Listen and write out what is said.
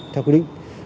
theo quy định